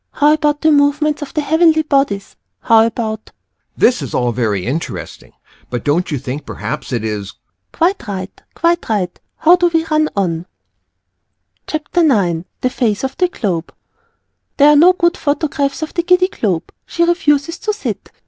How about the movements of the Heavenly Bodies? How about This is all very interesting, but don't you think perhaps it is The Reader. Quite right! Quite right! how we do run on! CHAPTER IX THE FACE OF THE GLOBE There are no good photographs of the Giddy Globe; she refuses to sit.